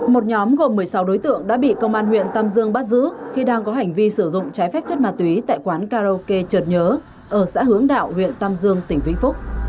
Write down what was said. một nhóm gồm một mươi sáu đối tượng đã bị công an huyện tam dương bắt giữ khi đang có hành vi sử dụng trái phép chất ma túy tại quán karaoke trượt nhớ ở xã hướng đạo huyện tam dương tỉnh vĩnh phúc